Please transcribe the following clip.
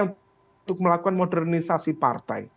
untuk melakukan modernisasi partai